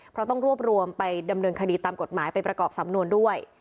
เพราะต้องรวบรวมไปดำเนินคดีตามกฎหมายไปประกอบสำนวนด้วย